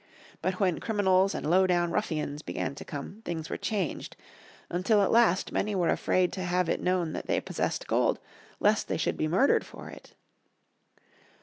But when criminals and lowdown ruffians began to come things were changed; until at last many were afraid to have it known that they possessed gold lest they should be murdered for it.